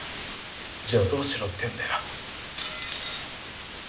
じゃあどうしろって言うんだよ。